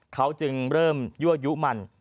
เขาจึงเริ่มยั่วยุมัน